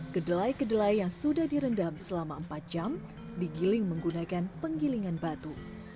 kedelai kedelai yang sudah direndam selama empat jam digiling menggunakan penggilingan batu